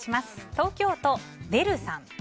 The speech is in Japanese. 東京都の方。